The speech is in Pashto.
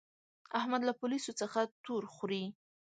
احمد له پوليسو څخه تور خوري.